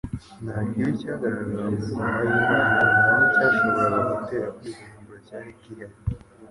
Nta kibi cyagaragaraga mu ngoma y'Imana, nta n'icyashoboraga gutera kwivumbura cyari gihari.